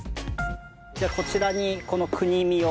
じゃあこちらにこの国見を。